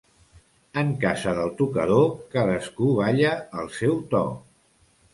En casa del tocador, cadascú balla al seu to.